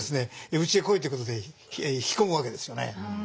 うちへ来いってことで引き込むわけですよね。